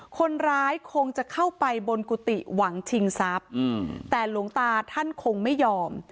คนร้ายคงจะเข้าไปบนกุฏิหวังชิงทรัพย์แต่หลวงตาท่านคงไม่ยอม